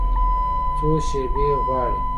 څو شیبې غواړي